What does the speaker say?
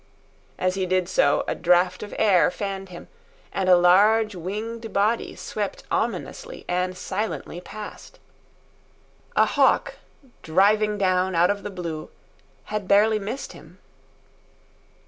As he did so, a draught of air fanned him, and a large, winged body swept ominously and silently past. A hawk, driving down out of the blue, had barely missed him.